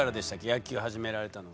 野球始められたのが。